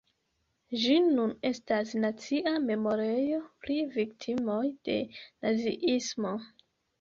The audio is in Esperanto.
Ĝi nun estas nacia memorejo pri viktimoj de naziismo.